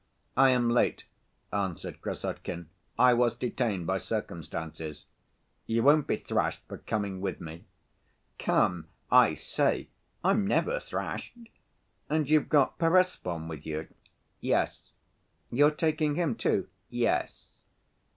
"I am late," answered Krassotkin. "I was detained by circumstances. You won't be thrashed for coming with me?" "Come, I say, I'm never thrashed! And you've got Perezvon with you?" "Yes." "You're taking him, too?" "Yes."